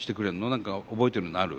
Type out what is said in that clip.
何か覚えてるのある？